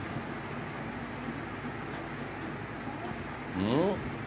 うん？